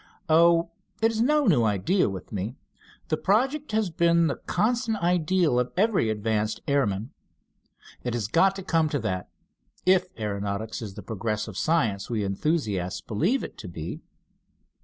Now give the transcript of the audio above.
"Oh, it is no new idea with me. The project has been the constant ideal of every advanced airman. It has got to come to that, if aeronautics is the progressive science we enthusiasts believe it to be."